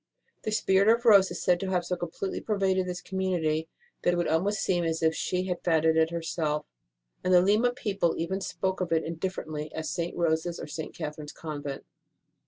The spirit of Rose is said to have so completely pervaded this community that it would almost seem as if she had founded it her self, and the Lima people even spoke of it indifferently as St. Rose s or St. Catherine s Convent.